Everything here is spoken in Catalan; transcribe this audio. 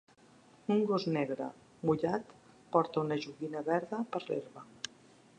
Un gos negre mullat porta una joguina verda per l'herba